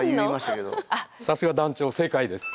さすが団長正解です。